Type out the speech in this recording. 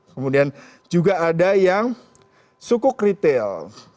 kemudian juga ada yang sukuk retail